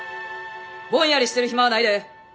ぼんやりしてる暇はないで！